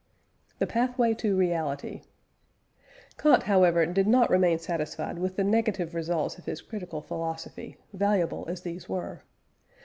THE PATHWAY TO REALITY. Kant, however, did not remain satisfied with the negative results of his critical philosophy, valuable as these were.